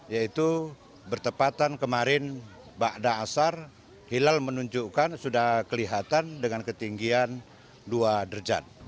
yaitu bertepatan kemarin bakda asar hilal menunjukkan sudah kelihatan dengan ketinggian dua derjan